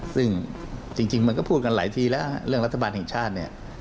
ซึ่งจริงมันก็พูดกันหลายทีแล้วเรื่องรัฐบาลแห่งชาติเนี่ย